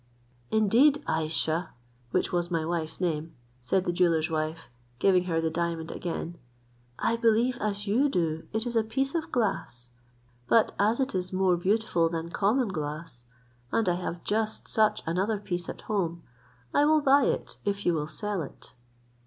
"Indeed, Ayesha," (which was my wife's name,) said the jeweller's wife, giving her the diamond again, "I believe as you do it is a piece of glass; but as it is more beautiful than common glass, and I have just such another piece at home, I will buy it, if you will sell it."